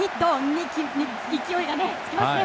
一気に勢いがつきますね。